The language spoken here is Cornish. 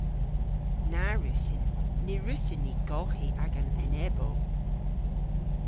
Na wrussyn. Ny wrussyn ni golghi agan enebow.